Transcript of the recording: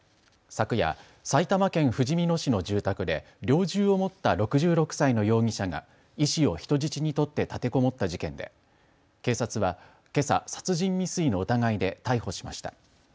昨夜、埼玉県ふじみ野市の住宅で猟銃を持った６６歳の容疑者が医師を人質に取って立てこもった事件で警察はけさ、殺人未遂の疑いで逮捕しました。